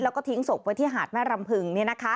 แล้วก็ทิ้งศพไว้ที่หาดแม่รำพึง